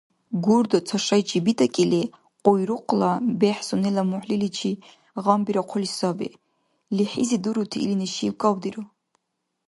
Гурда цашайчи битӀакӀили. Къуйрукъла бехӀ сунела мухӀлиличи гъамбирахъули саби. ЛихӀизи дурути илини шив-кӀавдиру.